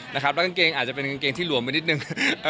แล้วกางเกงอาจจะเป็นกางเกงที่หลวมไปนิดนึง